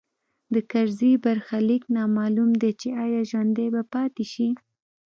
د کرزي برخلیک نامعلوم دی چې ایا ژوندی به پاتې شي